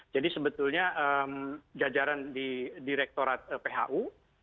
jadi sebetulnya jajaran di direktorat phu